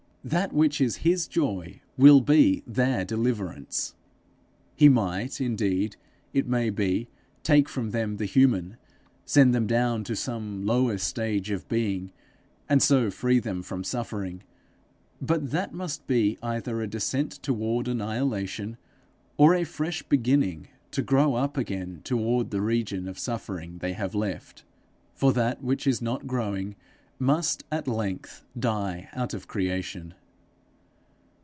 That which is his joy will be their deliverance! He might indeed, it may be, take from them the human, send them down to some lower stage of being, and so free them from suffering but that must be either a descent toward annihilation, or a fresh beginning to grow up again toward the region of suffering they have left; for that which is not growing must at length die out of creation.